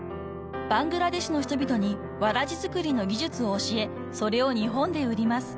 ［バングラデシュの人々にわらじ作りの技術を教えそれを日本で売ります］